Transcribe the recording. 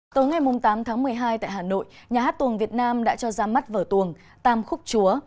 tối ngày tám tháng một mươi hai tại hà nội nhà hát tuồng việt nam đã cho ra mắt vở tuồng tam khúc chúa